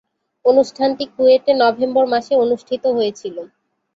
অনুষ্ঠানটি কুয়েটে নভেম্বর মাসে অনুষ্ঠিত হয়েছিলো।